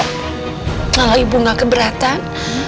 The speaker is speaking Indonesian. kalau ibu gak keberatan